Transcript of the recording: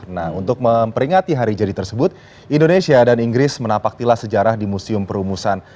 nah untuk memperingati hari jadi tersebut indonesia dan inggris menapaktilah sejarah di museum perumusan